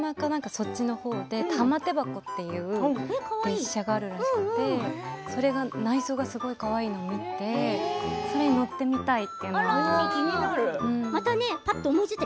そっちの方で玉手箱という列車があるらしくてそれが内装がかわいいのを見てそれに乗ってみたいなと思って。